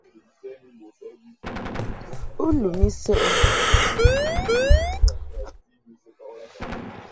U lum I səʼ ɛ?